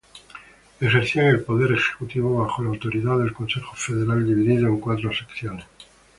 Ejercían el poder ejecutivo bajo la autoridad del Consejo federal, dividido en cuatro secciones.